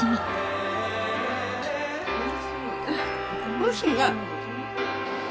おいしいね。